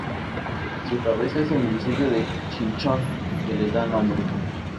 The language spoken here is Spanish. Su cabeza es el municipio de Chinchón que le da nombre.